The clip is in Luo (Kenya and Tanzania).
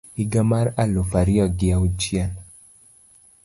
higa mar aluf ariyo gi auchiel